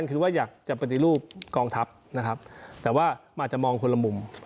คือว่าอยากจับปฏิรูปทางกองทัพแต่ว่าอาจจะมองคนละมุม